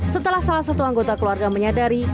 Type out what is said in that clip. setelah salah satu anggota keluarga menyadari